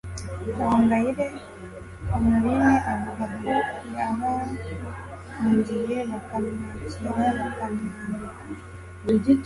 gahongayire honorine avuga ko yahahungiye bakamwakira bakamwambika